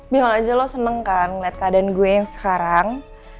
bilang aja lo seneng kan ngeliat keadaan gue yang sekarang